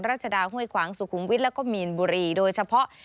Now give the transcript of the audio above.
ราชดาห้วยขวางสุขุมวิทย์แล้วก็มีนบุรีโดยเฉพาะ